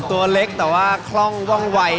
ตัวเล็กแต่ว่าคล่องว่องวัย